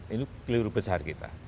itu keliru besar kita